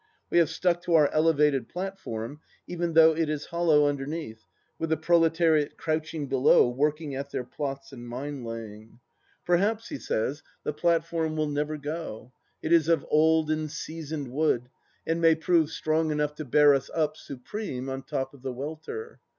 We have stuck to our elevated platform even though it is hollow under neath, with the proletariat crouching below working at their plots and mine laying. Perhaps, he says, the plat 268 THE LAST DITCH form will never go ; it is of old and seasoned wood, and may prove strong enough to bear us up, supreme, on top of the welter.